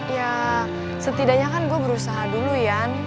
ya setidaknya kan gue berusaha dulu ya